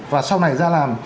và sau này ra làm